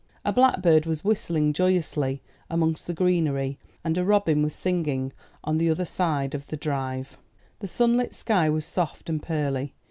A blackbird was whistling joyously amongst the greenery, and a robin was singing on the other side of the drive. The sunlit sky was soft and pearly.